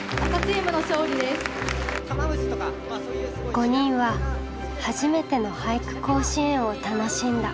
５人は初めての俳句甲子園を楽しんだ。